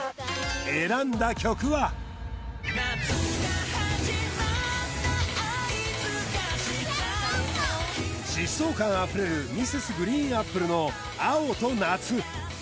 選んだ曲は夏が始まった合図がした疾走感あふれるＭｒｓ．ＧＲＥＥＮＡＰＰＬＥの「青と夏」